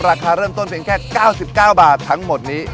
ราคาเริ่มต้นเพียงแค่๙๙บาททั้งหมดนี้